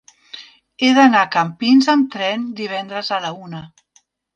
He d'anar a Campins amb tren divendres a la una.